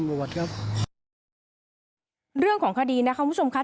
เรื่องของคดีนะคะพี่ผู้ชมค่ะ